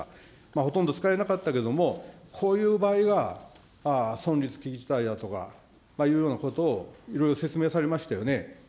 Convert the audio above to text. ほとんど使えなかったけども、こういう場合が存立危機事態だとかいうようなことをいろいろ説明されましたよね。